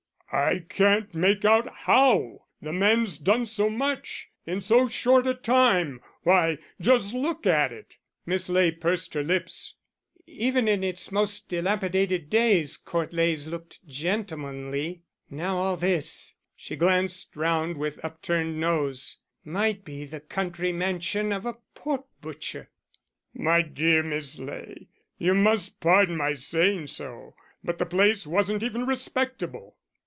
"I can't make out how the man's done so much in so short a time. Why, just look at it!" Miss Ley pursed her lips. "Even in its most dilapidated days Court Leys looked gentlemanly: now all this," she glanced round with upturned nose, "might be the country mansion of a pork butcher." "My dear Miss Ley, you must pardon my saying so, but the place wasn't even respectable."